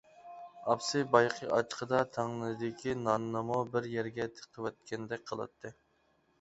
ئاپىسى بايىقى ئاچچىقىدا تەڭنىدىكى ناننىمۇ بىر يەرگە تىقىۋەتكەندەك قىلاتتى.